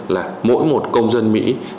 là mỗi một công dân mỹ